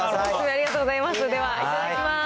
ありがとうございます。